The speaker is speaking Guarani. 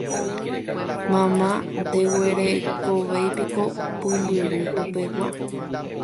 Mama, ndeguerekovéipiko pumbyry popegua.